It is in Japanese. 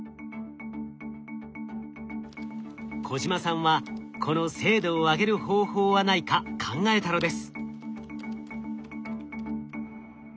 小島さんはこの精度を上げる方法はないか考えたのです。